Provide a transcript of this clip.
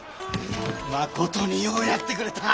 まことにようやってくれた！